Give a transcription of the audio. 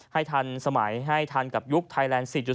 ทันสมัยให้ทันกับยุคไทยแลนด์๔๐